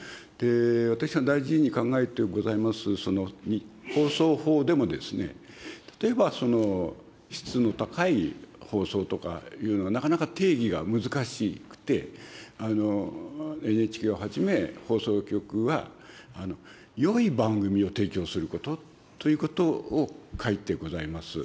私が大事に考えてございます放送法でも、例えば質の高い放送とかいうのはなかなか定義が難しくて、ＮＨＫをはじめ放送局は、よい番組を提供することということを書いてございます。